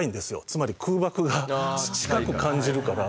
つまり空爆が近く感じるから。